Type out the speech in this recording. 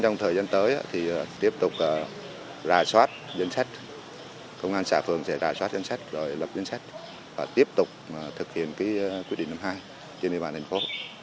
trong thời gian tới thì tiếp tục rà soát danh sách công an xã phường sẽ rà soát danh sách rồi lập danh sách và tiếp tục thực hiện quyết định năm mươi hai trên địa bàn thành phố